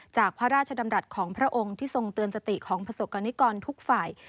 พระราชดำรัฐของพระองค์ที่ทรงเตือนสติของประสบกรณิกรทุกฝ่าย